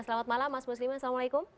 selamat malam mas muslimin assalamualaikum